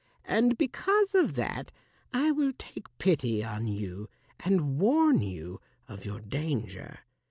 And because of that, I will take pity on you and warn you of your danger.